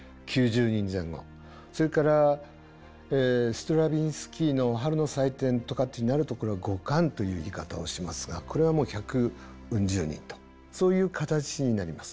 それからストラヴィンスキーの「春の祭典」とかってなるとこれは５管という言い方をしますがこれはもう百うん十人とそういう形になります。